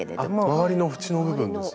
周りの縁の部分ですね。